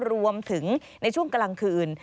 รวมถึงในช่วงกลางคืน